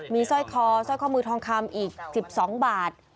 มีสร้อยคอสร้อยข้อมือทองคำอีก๑๒บาท